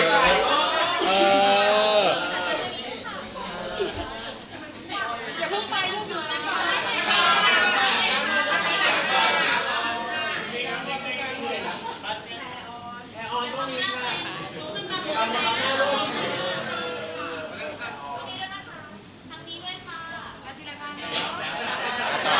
ระดับค่ะ